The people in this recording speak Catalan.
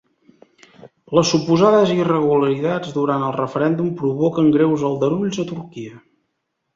Les suposades irregularitats durant el referèndum provoquen greus aldarulls a Turquia